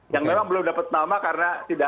yang memang belum dapat nama karena tidak